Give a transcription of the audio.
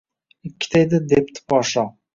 Ikkita edi, debdi podsho